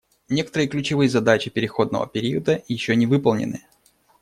Некоторые ключевые задачи переходного периода еще не выполнены.